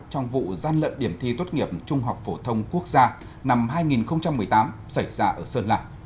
trong vụ gian lận điểm thi tốt nghiệp trung học phổ thông quốc gia năm hai nghìn một mươi tám xảy ra ở sơn la